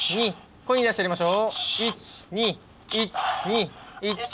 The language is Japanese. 声に出してやりましょう。